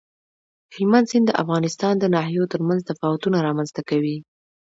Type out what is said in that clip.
هلمند سیند د افغانستان د ناحیو ترمنځ تفاوتونه رامنځ ته کوي.